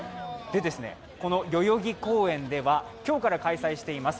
この代々木公園では、今日から開催しています